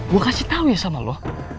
gue kasih tau ya sama lo